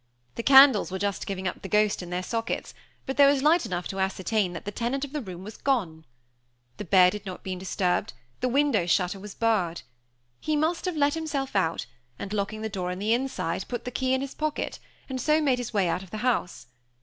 The candles were just giving up the ghost in their sockets, but there was light enough to ascertain that the tenant of the room was gone! The bed had not been disturbed; the window shutter was barred. He must have let himself out, and, locking the door on the outside, put the key in his pocket, and so made his way out of the house.